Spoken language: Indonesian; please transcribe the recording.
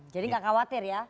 jadi gak khawatir ya